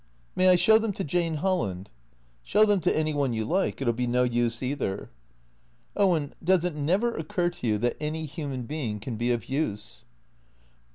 " May I show them to Jane Holland ?"" Show them to any one you like. It '11 be no use either." " Owen — does it never occur to you that any human being can be of use